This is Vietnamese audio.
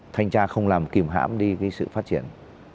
thanh tra không làm kìm hãm đi sự phát triển